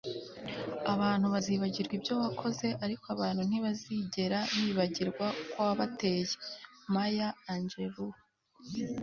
abantu bazibagirwa ibyo wakoze, ariko abantu ntibazigera bibagirwa uko wabateye. - maya angelou